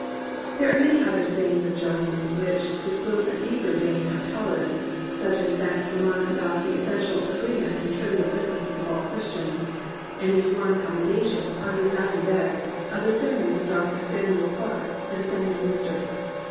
There are many other sayings of Johnson's which disclose a deeper vein of tolerance; such as that remark about the essential agreement and trivial differences of all Christians, and his warm com mendation, on his dying bed, of the sermons of Dr. Samuel Clarke, a Dissenting minister.